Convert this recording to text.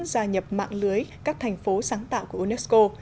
gia nhập mạng lưới các thành phố sáng tạo của unesco